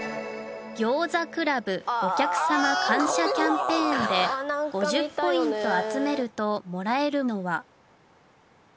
ぎょうざ倶楽部お客様感謝キャンペーンで５０ポイント集めるともらえるのは？